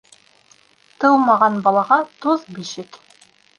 Тыумаған балаға туҙ бишек.